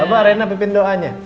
aduh arena pimpin doanya